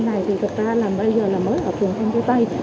thì thực ra là bây giờ là mới ở phường em cô tây